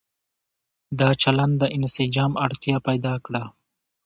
د چلن د انسجام اړتيا پيدا کړه